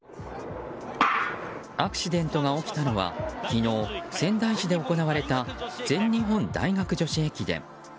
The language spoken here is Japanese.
アクシデントが起きたのは昨日、仙台市で行われた全日本大学女子駅伝。